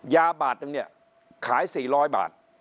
ยาบาทนึงเนี่ยขายสี่ร้อยบาท